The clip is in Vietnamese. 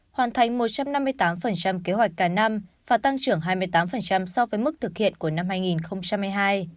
hoàn thành một trăm năm mươi tám kế hoạch cả năm và tăng trưởng hai mươi tám so với mức thực hiện của năm hai nghìn hai mươi hai